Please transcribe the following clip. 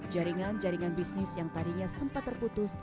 jaringan jaringan bisnis yang tadinya sempat terputus